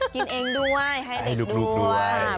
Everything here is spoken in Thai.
กินเองด้วยให้เด็กด้วย